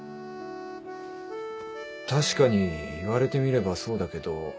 確かに言われてみればそうだけど。